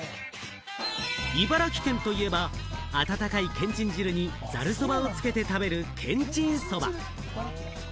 茨城県といえば、温かいけんちん汁に、ざるそばをつけて食べる、けんちんそば。